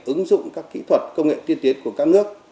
ứng dụng các kỹ thuật công nghệ tiên tiến của các nước